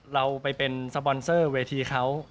เราไปเป็นสปอนเซอร์เวทีเขา